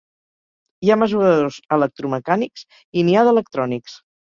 Hi ha mesuradors electromecànics i n'hi ha d'electrònics.